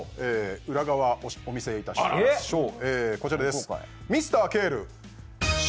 裏側をお見せいたしましょう。